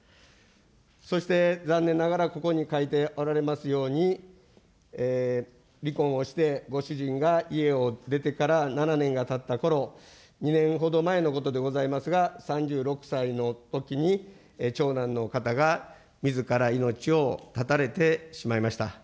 そして、残念ながらここに書いておられますように、離婚をして、ご主人が家を出てから７年がたったころ、２年ほど前のことでございますが、３６歳のときに長男の方が、みずから命を絶たれてしまいました。